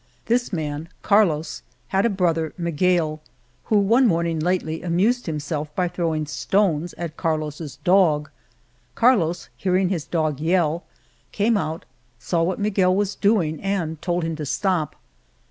This man Carlos had a brother Mig uel, who one morning lately amused him self by throwing stones at Carlos's dog. Carlos, hearing his dog yell, came out, saw what Miguel was doing and told him to stop.